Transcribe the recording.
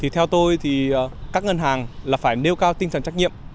theo tôi các ngân hàng phải nêu cao tinh thần trách nhiệm